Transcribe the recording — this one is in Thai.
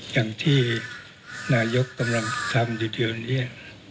อย่างที่นายกกำลังทำทีเดียวเนี้ย